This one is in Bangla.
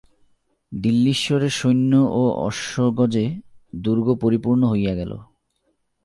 দিল্লীশ্বরের সৈন্য ও অশ্ব-গজে দুর্গ পরিপূর্ণ হইয়া গেল।